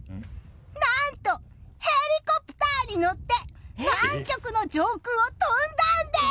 何と、ヘリコプターに乗って南極の上空を飛んだんです！